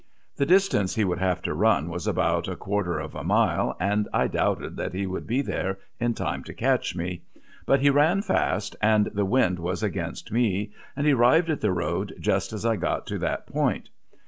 The distance he would have to run was about a quarter of a mile and I doubted that he would be there in time to catch me, but he ran fast and the wind was against me, and he arrived at the road just as I got to that point.